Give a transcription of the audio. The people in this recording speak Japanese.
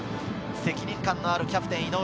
責任感のあるキャプテン・井上。